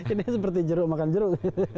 ini seperti jeruk makan jeruk